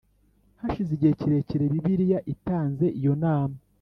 Hashize igihe kirekire Bibiliya itanze iyo nama